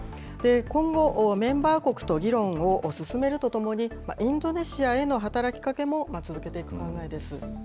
今後、メンバー国と議論を進めるとともに、インドネシアへの働きかけも続けていく考えです。